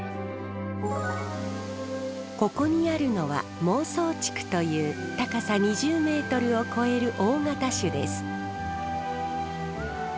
ここにあるのは孟宗竹という高さ２０ｍを超える大型種です。